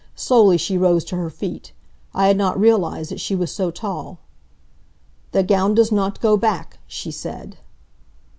Slowly she rose to her feet. I had not realized that she was so tall. "The gown does not go back," she said.